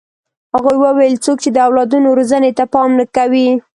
هغوی وویل څوک چې د اولادونو روزنې ته پام نه کوي.